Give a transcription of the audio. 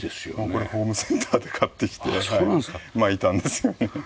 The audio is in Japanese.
これホームセンターで買ってきてまいたんです。